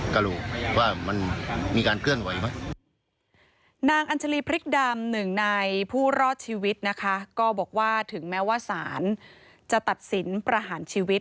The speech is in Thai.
กว่ามันมีการเคลื่อนไหวไหมนางอัญชลีพริกดำหนึ่งในผู้รอดชีวิตนะคะก็บอกว่าถึงแม้ว่าสารจะตัดสินประหารชีวิต